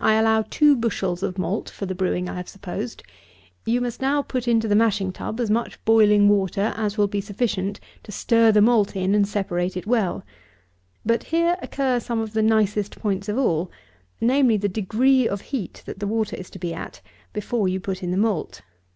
I allow two bushels of malt for the brewing I have supposed. You must now put into the mashing tub as much boiling water as will be sufficient to stir the malt in and separate it well. But here occur some of the nicest points of all; namely, the degree of heat that the water is to be at, before you put in the malt.